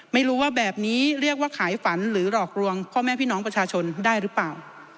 ไม่รู้ว่าแบบนี้เรียกว่าขายฝันหรือหลอกลวงพ่อแม่พี่น้องประชาชนได้หรือเปล่า